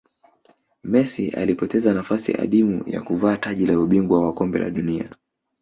messi alipoteza nafasi adimu ya kuvaa taji la ubingwa wa kombe la dunia